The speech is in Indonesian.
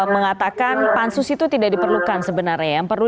mengatakan pansus itu tidak diperlukan sebenarnya ya